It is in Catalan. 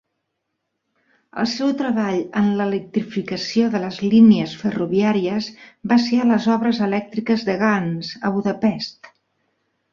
El seu treball en l'electrificació de les línies ferroviàries va ser a les obres elèctriques de Ganz, a Budapest.